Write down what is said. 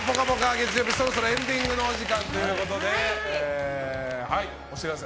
月曜日そろそろエンディングのお時間ということで。